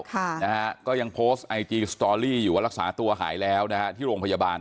ค่ะนะฮะก็ยังโพสต์ไอจีสตอรี่อยู่ว่ารักษาตัวหายแล้วนะฮะที่โรงพยาบาล